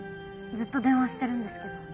ずっと電話してるんですけど。